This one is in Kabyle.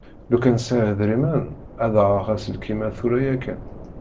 Lukan sεiɣ idrimen ad aɣeɣ aselkim-a tura yakan.